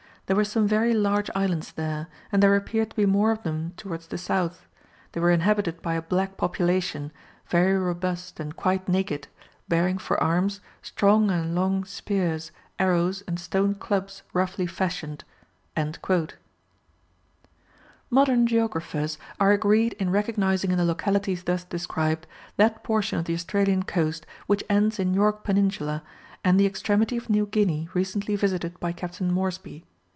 There were some very large islands there, and there appeared to be more of them towards the south; they were inhabited by a black population, very robust and quite naked, bearing for arms, strong and long spears, arrows, and stone clubs roughly fashioned." Modern geographers are agreed in recognizing in the localities thus described, that portion of the Australian Coast which ends in York Peninsula, and the extremity of New Guinea recently visited by Captain Moresby.